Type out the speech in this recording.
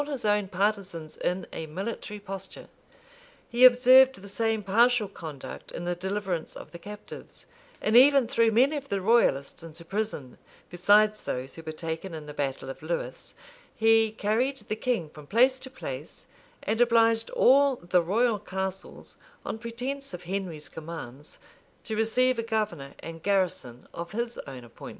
[] He every where disarmed the royalists, and kept all his own partisans in, a military posture:[] he observed the same partial conduct in the deliverance of the captives, and even threw many of the royalists into prison, besides those who were taken in the battle of Lewes; he carried the king from place to place, and obliged all the royal castles, on pretence of Henry's commands, to receive a governor and garrison of his own appointment.